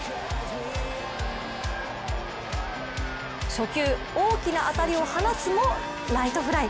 初球、大きな当たりを放つもライトフライ。